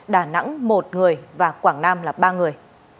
đà nẵng một người và quảng nam là ba người